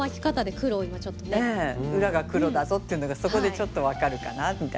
裏が黒だぞっていうのがそこでちょっと分かるかなみたいな。